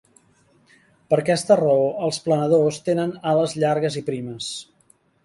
Per aquesta raó els planadors tenen ales llargues i primes.